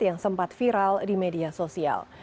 yang sempat viral di media sosial